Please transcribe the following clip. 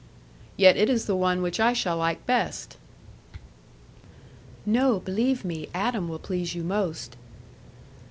"Yet it is the one which I shall like best." "No; believe me, Adam will please you most."